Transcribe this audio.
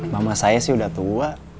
mama saya sih udah tua